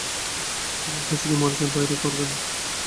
কে বেঁচে আছে, কে মরে গেছে, বাইর করেন।